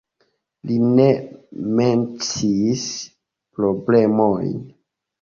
Li ne menciis problemojn.